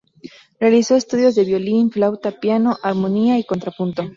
Realizó estudios de violín, flauta, piano, armonía y contrapunto.